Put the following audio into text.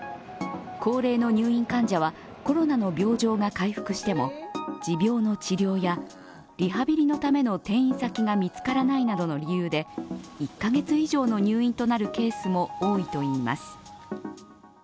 高齢の入院患者はコロナの病状が回復しても持病の治療やリハビリのための転院先が見つからないなどの理由で１カ月以上の入院となるケースも多いといいます。